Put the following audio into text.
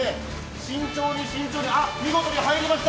慎重に慎重に見事に入りました。